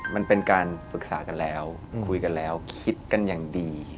มันเป็นการปรึกษากันแล้วคุยกันแล้วคิดกันอย่างดี